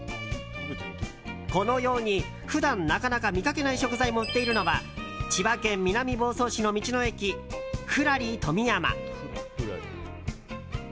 このように普段なかなか見かけない食材も売っているのは千葉県南房総市の道の駅富楽里とみやま。